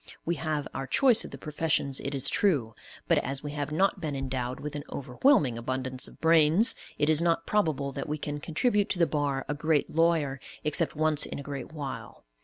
We have our choice of the professions, it is true, but, as we have not been endowed with an overwhelming abundance of brains, it is not probable that we can contribute to the bar a great lawyer except once in a great while.